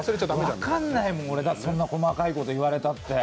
わかんないもん、俺、そんな細かいこと言われたって。